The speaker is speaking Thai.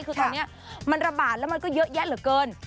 คือตอนนี้มันระบาดแล้วมันก็เยอะแยะเหลือเกิน